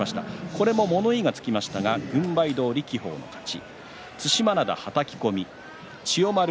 これも物言いがつきましたが軍配どおり輝鵬の勝ち。